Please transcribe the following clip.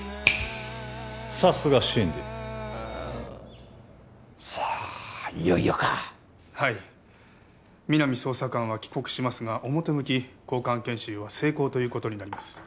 さすがシンディーさあいよいよかはい皆実捜査官は帰国しますが表向き交換研修は成功ということになります